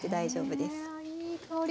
あいい香り。